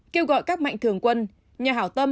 kêu gọi các mạnh thường quân nhà hảo tâm